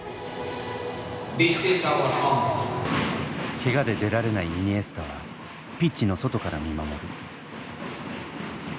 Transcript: ケガで出られないイニエスタはピッチの外から見守る。